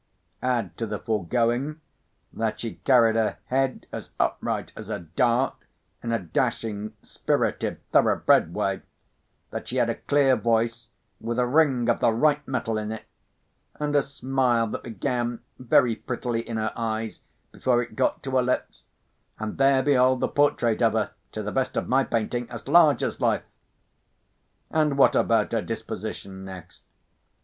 Add to the foregoing that she carried her head as upright as a dart, in a dashing, spirited, thoroughbred way—that she had a clear voice, with a ring of the right metal in it, and a smile that began very prettily in her eyes before it got to her lips—and there behold the portrait of her, to the best of my painting, as large as life! And what about her disposition next?